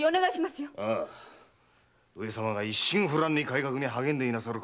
上様が一心不乱に改革に励んでいなさる